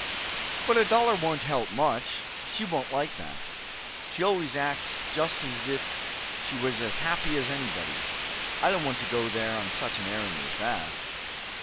"But a dollar won't help much. She won't like that. She always acts just as if she was as happy as anybody. I don't want to go there on such an errand as that."